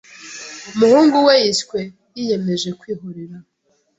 umuhungu we yishwe yiyemeje kwihorera